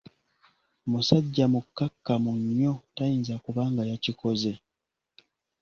Musajja mukakkamu nnyo, tayinza kuba nga yakikoze.